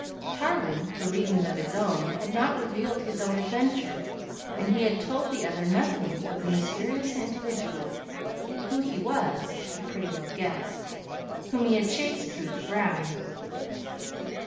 Tarling for reasons of his own had not revealed his own adventure and he had told the other nothing of the mysterious individual (who he was, he pretty well guessed) whom he had chased through the grounds.